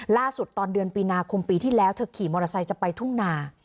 ตอนเดือนมีนาคมปีที่แล้วเธอขี่มอเตอร์ไซค์จะไปทุ่งนา